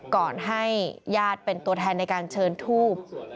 ก่อนให้ญาติเป็นตัวแทนในการเชิญทูบ